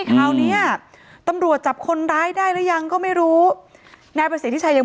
คราวนี้อ่ะตำรวจจับคนร้ายได้หรือยังก็ไม่รู้ที่ใจไม่